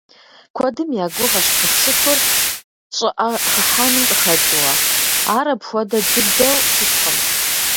Куэдым я гугъэщ пыхусыхур щӀыӀэ хыхьэным къыхэкӀыу, ар апхуэдэ дыдэу щыткъым.